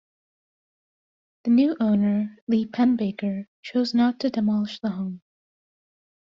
The new owner, Lee Pennebaker, chose not to demolish the home.